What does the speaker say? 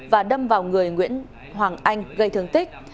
và đâm vào người nguyễn hoàng anh gây thương tích